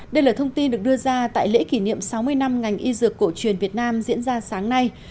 đây là thông tin được đưa ra tại lễ kỷ niệm sáu mươi năm ngành y dược cổ truyền việt nam diễn ra sáng nay